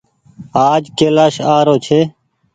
آج ڪيلآش آ رو ڇي۔